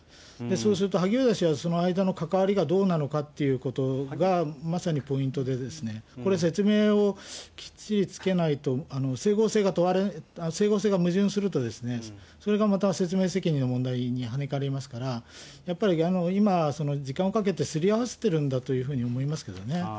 そうすると萩生田氏はその間の関わりがどうなのかということが、まさにポイントで、これ説明をきっちりつけないと、整合性が矛盾すると、それがまた説明責任の問題に跳ね返りますから、やっぱり今、時間をかけてすり合わせてるんだというふうに思いますけどね。